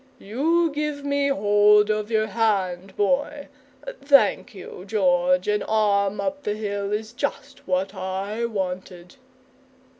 You give me hold of your hand, Boy thank you, George, an arm up the hill is just what I wanted!"